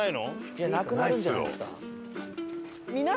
いやなくなるんじゃないですか？